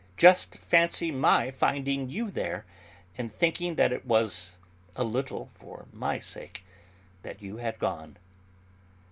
Just fancy my finding you there, and thinking that it was a little for my sake that you had gone."